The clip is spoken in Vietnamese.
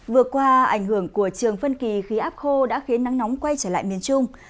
vừa qua ảnh hưởng của trường phân kỳ khí áp khô đã khiến nắng nóng quay trở lại miền trung